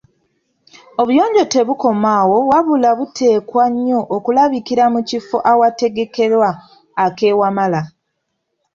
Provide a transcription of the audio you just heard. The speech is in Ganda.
Obuyonjo tebukoma awo wabula buteekwa nnyo okulabikira mu kifo awategekerwa ak’e Wamala.